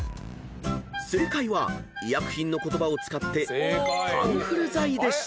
［正解は医薬品の言葉を使って「カンフル剤」でした］